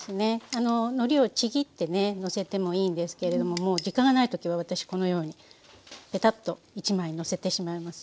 のりをちぎってねのせてもいいんですけれども時間がない時は私このようにぺたっと１枚のせてしまいます。